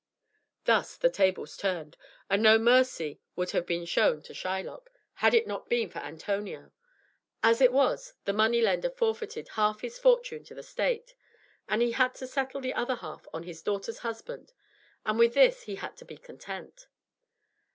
Thus were the tables turned, and no mercy would have been shown to Shylock, had it not been for Antonio. As it was, the money lender forfeited half his fortune to the state, and he had to settle the other half on his daughter's husband, and with this he had to be content.